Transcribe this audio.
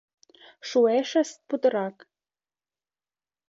Шуэшыс путырак.